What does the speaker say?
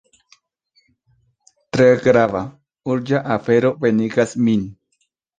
Tre grava, urĝa afero venigas min.